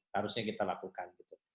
harusnya kita lakukan gitu